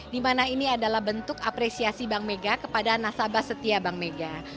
di mana ini adalah bentuk apresiasi bank mega kepada nasabah setia bank mega